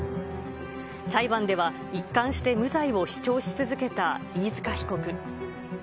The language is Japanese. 裁判では一貫して無罪を主張し続けた飯塚被告。